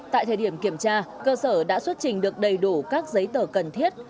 tại thời điểm kiểm tra cơ sở đã xuất trình được đầy đủ các giấy tờ cần thiết